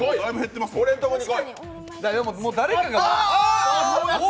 俺のとこに来い！